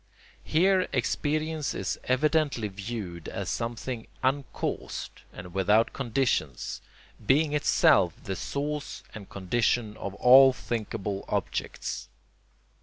Here experience is evidently viewed as something uncaused and without conditions, being itself the source and condition of all thinkable objects.